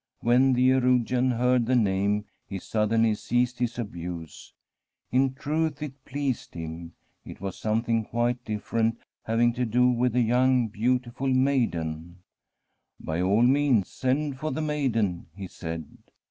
When the ^erugian heard the name he suddenly ceased his abuse. In truth, it pleased him. * It was some [26s] Fr9m a SWEDISH HOMESTEAD thing quite different, having to do with a young, beautiful maiden. ' By all means send for the maiden/ he said.